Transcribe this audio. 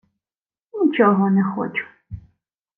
— Нічого не хочу.